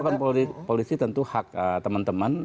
laporan ke polisi tentu hak teman teman